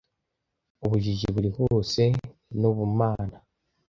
ubujiji buri hose n'ubumana